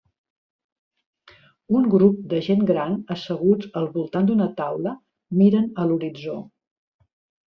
Un grup de gent gran asseguts al voltant d'una taula miren a l'horitzó.